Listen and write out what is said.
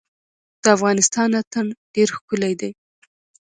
د افغانستان اتن ډیر ښکلی دی